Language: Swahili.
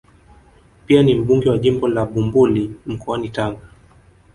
Pia ni mbunge wa jimbo la Bumbuli mkoani Tanga